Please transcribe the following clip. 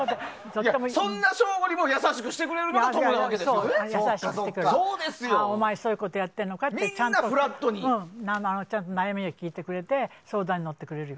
そんな省吾にも優しくしてくれるのがお前そういうことをやってるのかってみんな悩みを聞いてくれて相談に乗ってくれる。